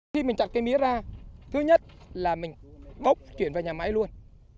khi mình chặt cái mía ra thứ nhất là mình bốc chuyển vào nhà máy luôn